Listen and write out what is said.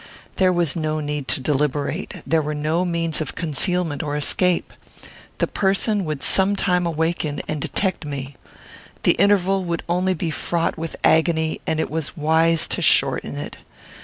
There was no need to deliberate. There were no means of concealment or escape. The person would some time awaken and detect me. The interval would only be fraught with agony, and it was wise to shorten it.